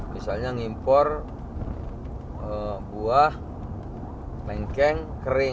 misalnya ngimpor buah lengkeng kering